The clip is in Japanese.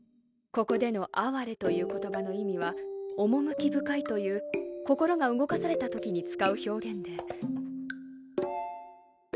ここでの「あはれ」という言葉の意味は「趣深い」という心が動かされたときに使う表現で。